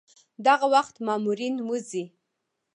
دغه وخت مامورین وځي.